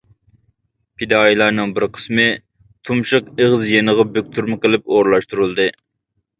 پىدائىيلارنىڭ بىرى قىسمى تۇمشۇق ئېغىزى يېنىغا بۆكتۈرمە قىلىپ ئورۇنلاشتۇرۇلدى.